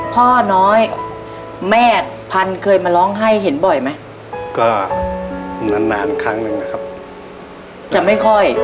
พ่อน้อยแม่กพันเคยมาร้องไห้เห็นบ่อยไม่